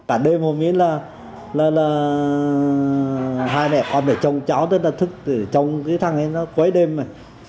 cả đêm hôm nay là hai mẹ con để trông cháu rất là thức để trông cái thằng ấy nó quấy đêm này